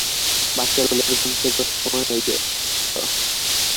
বাচ্চাগুলোর ঘুম থেকে উঠার সময় হয়ে গিয়েছিল।